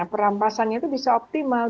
perampasannya itu bisa optimal